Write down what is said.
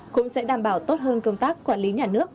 cũng sẽ đảm bảo tốt hơn công tác quản lý nhà nước